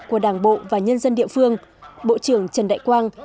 của đảng bộ và nhân dân địa phương bộ trưởng trần đại quang